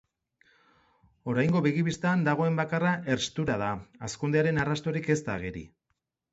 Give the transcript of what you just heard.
Oraingoz begibistan dagoen bakarra herstura da, hazkundearen arrastorik ez da ageri.